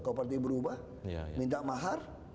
kalau partai berubah minta mahar